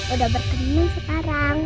udah berkenan sekarang